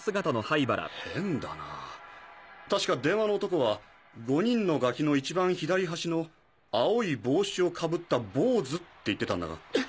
変だなあ確か電話の男は５人のガキの一番左端の青い帽子を被ったボウズって言ってたんだが。